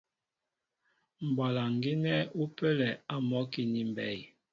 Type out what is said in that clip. Mbwalaŋ gínɛ́ ú pə́lɛ a mɔ́ki ni mbey.